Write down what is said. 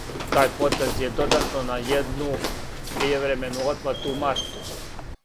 Тај потез је додатно на једну пријевремену отплату у марту.